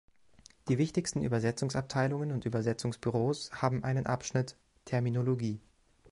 Die wichtigsten Übersetzungsabteilungen und Übersetzungsbüros haben einen Abschnitt "Terminologie".